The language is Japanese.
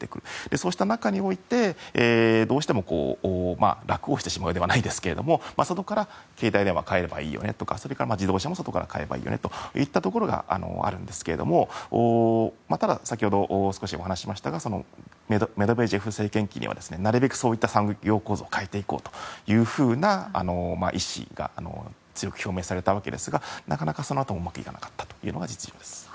そうした中において、どうしても楽をしてしまうではないですが外から携帯電話買えばいいよねとかそれから自動車も外から買えればいいよねといったところがあるんですけれどもただ、先ほどお話しましたがメドベージェフ政権期にはなるべくそういった産業構造を変えていこうというふうな意思が強く表明されたわけですがなかなかそのあともうまくいかなかったのが実情です。